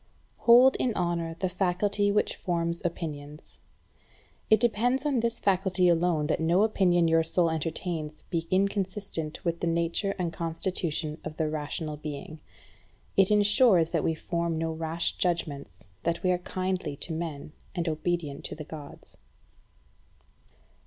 9. Hold in honour the faculty which forms opinions. It depends on this faculty alone that no opinion your soul entertains be inconsistent with the nature and constitution of the rational being. It ensures that we form no rash judgments, that we are kindly to men, and obedient to the Gods.